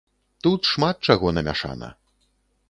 Тут шмат чаго намяшана.